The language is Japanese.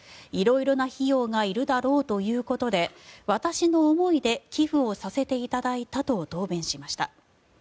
色々な費用がいるだろうということで私の思いで寄付をさせていただいたと答弁しました。